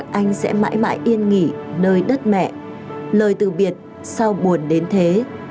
mẹ mãi mãi yên nghỉ nơi đất mẹ lời từ biệt sao buồn đến thế